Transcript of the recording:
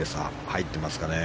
入っていますかね。